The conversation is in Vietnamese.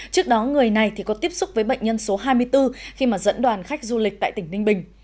trước đó người này có tiếp xúc với bệnh nhân số hai mươi bốn khi dẫn đoàn khách du lịch tại tỉnh ninh bình